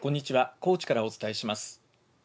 高知からお伝えします。